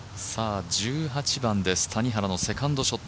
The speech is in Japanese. １８番です、谷原のセカンドショット。